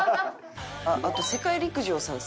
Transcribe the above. あと『世界陸上』さん